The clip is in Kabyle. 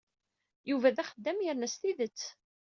Yuba d axeddam yerna s tidet.